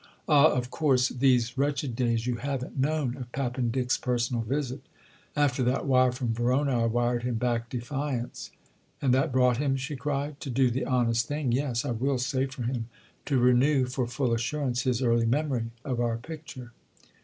"Ah, of course, these wretched days, you haven't known of Pappendick's personal visit. After that wire from Verona I wired him back defiance—" "And that brought him?" she cried. "To do the honest thing, yes—I will say for him: to renew, for full assurance, his early memory of our picture."